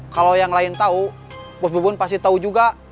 kalau yang lain tau bos bubun pasti tau juga